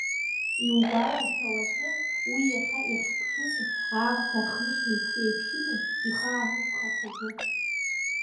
Иугәаларшәа уаҵәы, уи иахьа иахьԥшыми, аамҭа архнышьнеиԥш еиԥшьыми, ихаанымхац аӡәы.